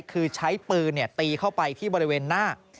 คือใช้ปืนตีเข้าไปที่บริเวณหน้า